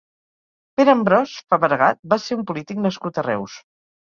Pere Ambròs Fabregat va ser un polític nascut a Reus.